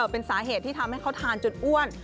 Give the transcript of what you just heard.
เป็นสาเหตุที่ทำให้เขาทานจนอ้วน